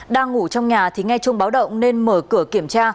đang ngủ trong nhà thì nghe chung báo động nên mở cửa kiểm tra